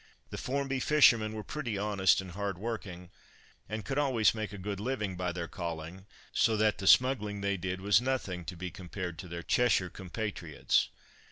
The Formby fishermen were pretty honest and hardworking, and could always make a good living by their calling, so that the smuggling they did was nothing to be compared to their Cheshire compatriots.